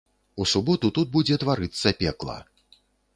У суботу тут будзе тварыцца пекла.